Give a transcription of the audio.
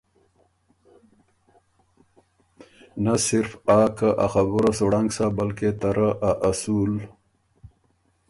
نۀ صرف آ که آ خبُره سُو ړنګ سۀ بلکې ته رۀ ا اصول،